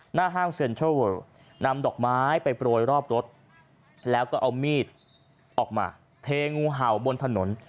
ห้างเซ็นทรัลเวิลนำดอกไม้ไปโปรยรอบรถแล้วก็เอามีดออกมาเทงูเห่าบนถนน